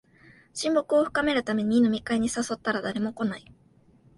親睦を深めるために飲み会に誘ったら誰も来ない